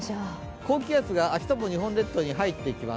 高気圧が明日も日本列島に入っていきます。